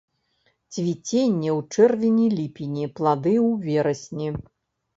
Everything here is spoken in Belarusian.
Цвіценне ў чэрвені-ліпені, плады ў верасні.